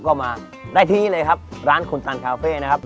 ก็มาได้ที่นี่เลยครับร้านคุณตันคาเฟ่นะครับ